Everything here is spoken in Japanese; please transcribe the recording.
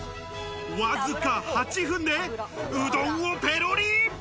わずか８分でうどんをペロリ。